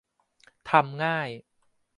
ทำง่าย